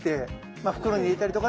まあ袋に入れたりとかで？